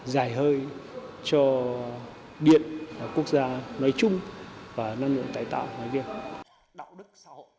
dài hơi cho điện quốc gia nói chung và năng lượng tái tạo nói riêng